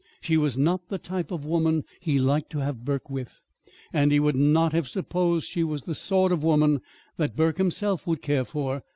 She was not the type of woman he liked to have Burke with, and he would not have supposed she was the sort of woman that Burke himself would care for.